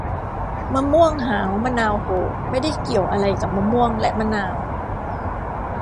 มะม่วงหาวมะนาวโห่ ไม่ได้เกี่ยวอะไรกับมะม่วงและมะนาว